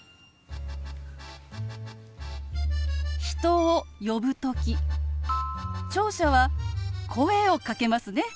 人を呼ぶ時聴者は声をかけますね。